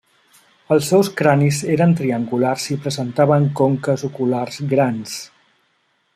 Els seus cranis eren triangulars i presentaven conques oculars grans.